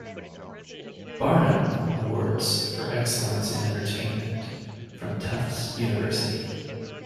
Barnum Awards for excellence in Entertainment from Tufts University.